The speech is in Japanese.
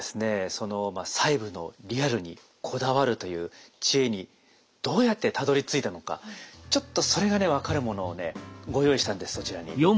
その細部のリアルにこだわるという知恵にどうやってたどりついたのかちょっとそれがね分かるものをねご用意したんでそちらに。